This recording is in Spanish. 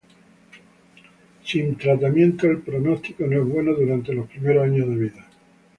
Sin tratamiento el pronóstico no es bueno durante los primeros años de vida.